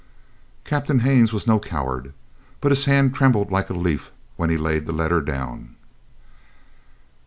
Captain Haines was no coward, but his hand trembled like a leaf when he laid the letter down.